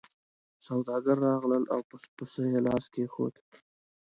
سوداګر راغلل او په پسه یې لاس کېښود.